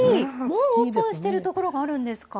もうオープンしている所があるんですか。